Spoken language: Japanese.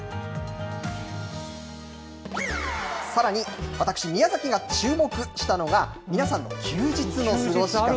さらに、私、宮崎がチューモクしたのが、皆さんの休日の過ごし方。